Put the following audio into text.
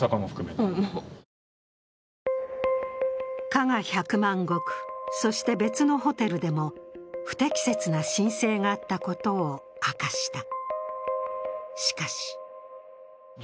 加賀百万石、そして別のホテルでも、不適切な申請があったことを明かした。